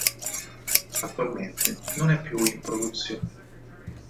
Attualmente non è più in produzione.